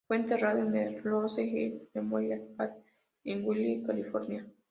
Fue enterrado en el Rose Hills Memorial Park, en Whittier, California.